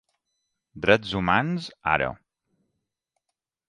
Drets humans ara!